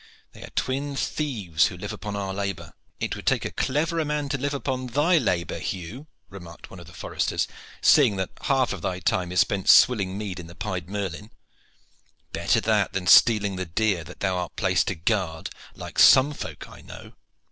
They are twin thieves who live upon our labor." "It would take a clever man to live upon thy labor, Hugh," remarked one of the foresters, "seeing that the half of thy time is spent in swilling mead at the 'Pied Merlin.'" "Better that than stealing the deer that thou art placed to guard, like some folk I know."